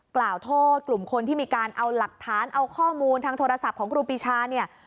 กล่าวโทษกลุ่มคนที่มีการเอาหลักฐานเอาข้อมูลทางโทรศัพท์ของครูปีชาเนี่ย